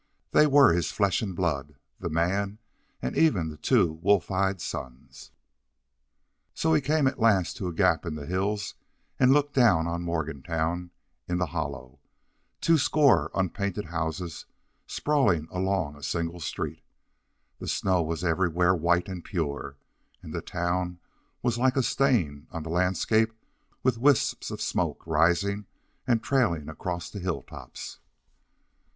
They were his flesh and blood, the man, and even the two wolf eyed sons. So he came at last to a gap in the hills and looked down on Morgantown in the hollow, twoscore unpainted houses sprawling along a single street. The snow was everywhere white and pure, and the town was like a stain on the landscape with wisps of smoke rising and trailing across the hilltops.